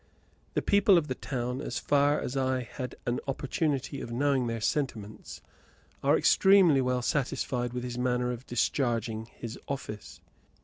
The people of the town, as far as I had an opportunity of knowing their sentiments, are extremely well satisfied with his manner of discharging his office.